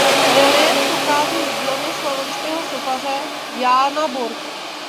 Reliéf pochází z dílny slovenského sochaře Jána Borka.